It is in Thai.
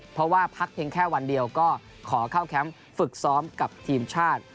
เพราะว่าพักเพียงแค่วันเดียวก็ขอเข้าแคมป์ฝึกซ้อมกับทีมชาติ